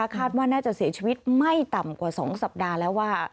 คาดว่าน่าจะเสียชีวิตไม่ต่ำกว่า๒สัปดาห์แล้วว่า